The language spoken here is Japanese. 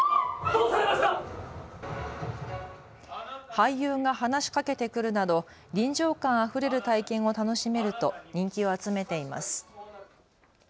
俳優が話しかけてくるなど臨場感あふれる体験を楽しめると人気を集めています。